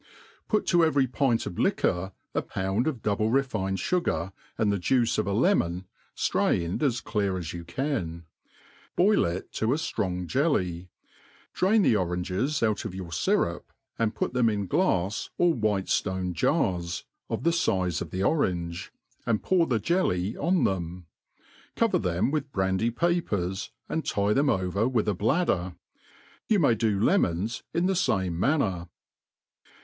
Put to every pint of liquor a pound of double refined fugar, and the juice of a lemon, ftrain^d as clear as you can ; boi) it to aftrongjelly; drain the oranges out of your fyrup, and put them in glafa or white ftone jars,^ of the fize of the orange^ and pour the jelly on them* Cover them with brandy'papers, and tie tbem over with a bladder* Yqu may do lempns in this lame manner.